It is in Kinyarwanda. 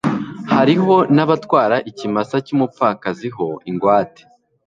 hariho n'abatwara ikimasa cy'umupfakazi ho ingwate